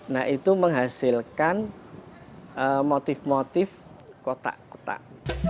nah itu menghasilkan motif motif kotak kotak